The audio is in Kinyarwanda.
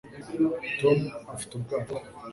tom afite ubwato